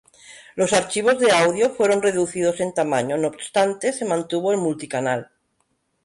Los archivos de audio fueron reducidos en tamaño, no obstante, se mantuvo el multicanal.